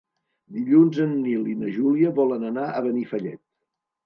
Dilluns en Nil i na Júlia volen anar a Benifallet.